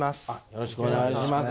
よろしくお願いします。